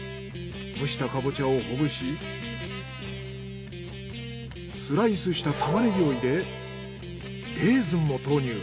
蒸したカボチャをほぐしスライスしたタマネギを入れレーズンも投入。